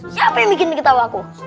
siapa yang bikin ketawa aku